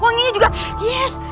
wanginya juga yes